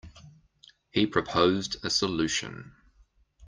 He proposed a solution.